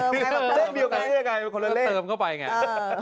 คือเลขเดียวกันได้ยังไงมันคนละเลขเติมเข้าไปไง